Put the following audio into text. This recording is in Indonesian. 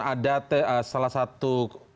ada salah satu